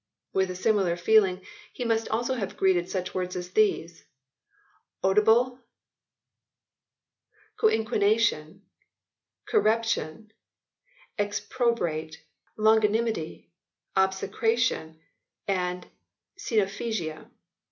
With a similar feeling he must also have greeted such words as these : odible, coinquination, conception, exprobrate, longa nimity, obsecration, and scenopegia.